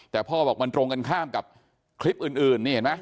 แต่พ่อบอกมันตรงกันข้ามกับคลิปอื่นนี่เห็นไหม